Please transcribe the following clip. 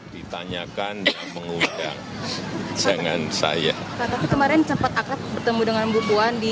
ditanyakan dengan saya kemarin cepat akad bertemu dengan bukuan di